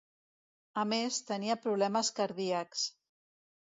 A més, tenia problemes cardíacs.